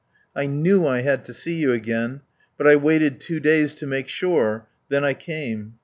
"I knew I had to see you again. But I waited two days to make sure. Then I came